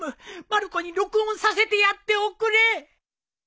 まる子に録音させてやっておくれ。